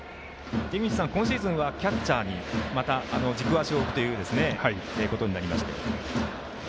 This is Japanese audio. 井口さん、今シーズンはキャッチャーに軸足を置くということになりましたね。